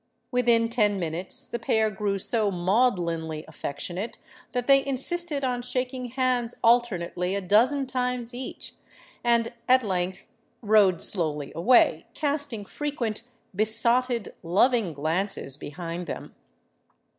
Within ten minutes the pair grew so maudlinly affectionate that they insisted on shaking hands alternately a dozen times each, and at length rode slowly away, casting frequent besotted, loving glances behind them.